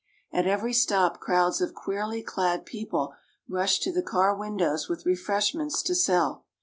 At every stop crowds of queerly clad people rush to / the car windows with refreshments to sell.